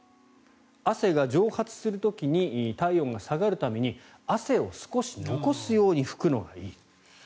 汗が蒸発する時に体温が下がるために汗を少し残すように拭くのがいい。